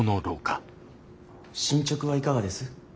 進捗はいかがです？